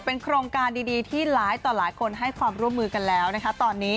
ก็คงต่างคนต่างเก็บขยะให้ได้เยอะที่สุดอะค่ะ